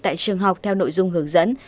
tại trường học theo nội dung hướng dẫn